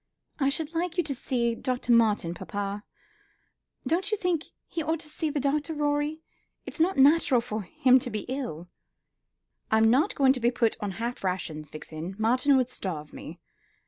"I should like you to see Dr. Martin, papa. Don't you think he ought to see the doctor, Rorie? It's not natural for him to be ill." "I'm not going to be put upon half rations, Vixen. Martin would starve me.